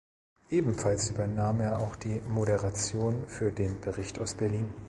Ebenfalls übernahm er auch die Moderation für den "Bericht aus Berlin".